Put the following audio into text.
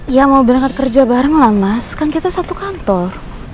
ya mau berangkat kerja bareng lah mas kan kita satu kantor